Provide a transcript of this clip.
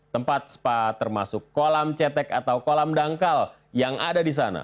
tempat spa termasuk kolam cetek atau kolam dangkal yang ada di sana